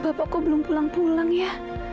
bapak kok belum pulang pulang ya